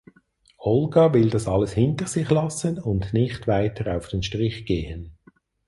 Olga will das alles hinter sich lassen und nicht weiter auf den Strich gehen.